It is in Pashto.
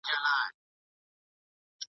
استاد محصل ته وویل چي خپل ادبي معلومات زیات کړي.